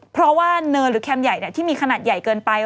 เพราะว่าเนินหรือแคมป์ใหญ่ที่มีขนาดใหญ่เกินไป